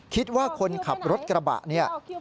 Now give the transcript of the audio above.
คิดว่าคนขับรถกระบะเนี่ย